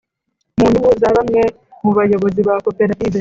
mu nyungu za bamwe mu bayobozi ba koperative,